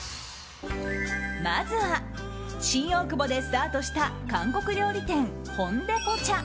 まずは、新大久保でスタートした韓国料理店ホンデポチャ。